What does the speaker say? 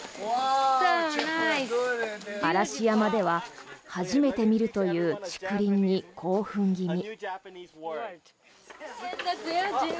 嵐山では初めて見るという竹林に興奮気味。